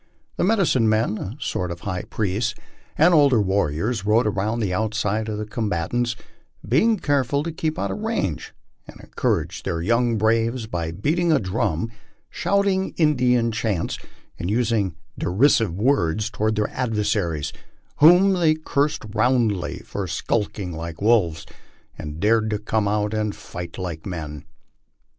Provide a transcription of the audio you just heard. The medicine men, a sort of high priests, and older warriors rode around outside of the combatants, being care ful to keep out of range, and encouraged their young braves by beating a drum, shouting Indian chants, and using derisive words toward their adversa ries, whom they cursed roundly for skulking like wolves, and dared to come out and fight like men.